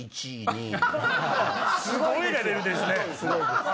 すごいレベルですね！